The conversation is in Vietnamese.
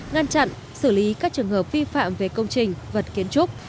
ngăn chặn xử lý các trường hợp vi phạm về công trình vật kiến trúc